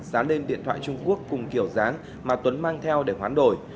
dán lên điện thoại trung quốc cùng kiểu dáng mà tuấn mang theo để hoán đổi